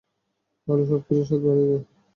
আলু সবকিছুর স্বাদ বাড়িয়ে দেয়।